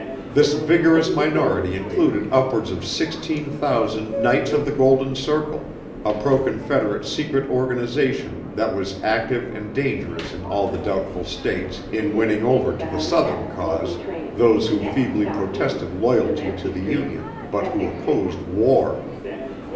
This vigorous minority included upwards of sixteen thousand Knights of the Golden Circle, a pro Confederate secret organization that was active and dangerous in all the doubtful states in winning over to the southern cause those who feebly protested loyalty to the Union but who opposed war.